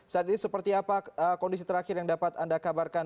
saat ini seperti apa kondisi terakhir yang dapat anda kabarkan